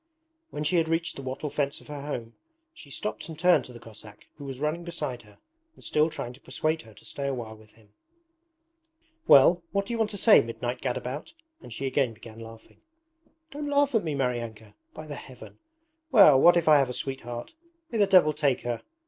When she had reached the wattle fence of her home she stopped and turned to the Cossack who was running beside her and still trying to persuade her to stay a while with him. 'Well, what do you want to say, midnight gadabout?' and she again began laughing. 'Don't laugh at me, Maryanka! By the Heaven! Well, what if I have a sweetheart? May the devil take her!